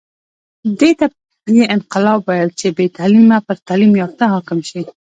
دې ته یې انقلاب ویل چې بې تعلیمه پر تعلیم یافته حاکم شي.